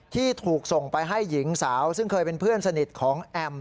ที่ถูกส่งไปให้หญิงสาวซึ่งเคยเป็นเพื่อนสนิทของแอม